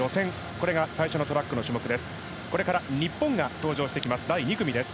これが最初のトラックの種目です。